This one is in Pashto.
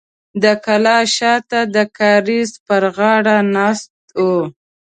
د کلا شاته د کاریز پر غاړه ناست و.